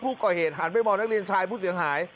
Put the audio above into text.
ผู้ก่อเหตุหันว่าไปมองนักเรียนชายผู้เสียงหาย